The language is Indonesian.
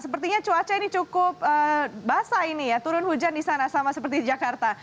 sepertinya cuaca ini cukup basah turun hujan di sana sama seperti di jakarta